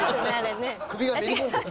首がめりこんで。